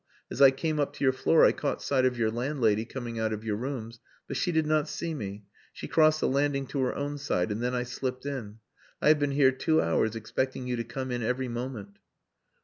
As I came up to your floor I caught sight of your landlady coming out of your rooms. But she did not see me. She crossed the landing to her own side, and then I slipped in. I have been here two hours expecting you to come in every moment."